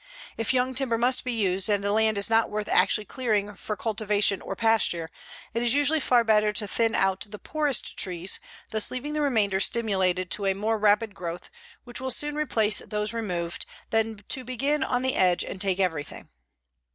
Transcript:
If young timber must be used, and the land is not worth actually clearing for cultivation or pasture, it is usually far better to thin out the poorest trees, thus leaving the remainder stimulated to a more rapid growth, which will soon replace those removed, than to begin on the edge and take everything.